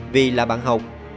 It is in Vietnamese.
vì là bạn học